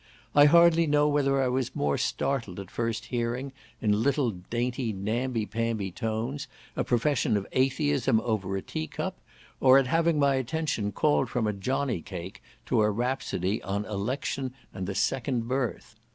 I hardly know whether I was more startled at first hearing, in little dainty namby pamby tones, a profession of Atheism over a teacup, or at having my attention called from a Johnny cake, to a rhapsody on election and the second birth.